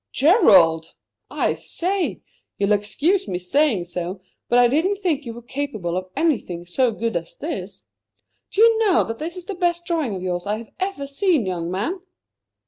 "Gerald! I say! You'll excuse my saying so, but I didn't think you were capable of anything so good as this. Do you know that this is the best drawing of yours I have ever seen, young man?"